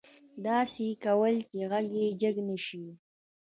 داسې يې کول چې غږ يې جګ نه شي.